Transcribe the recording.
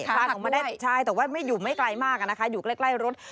คลานออกมาได้ใช่แต่ว่าไม่อยู่ไม่ไกลมากนะคะอยู่ใกล้รถ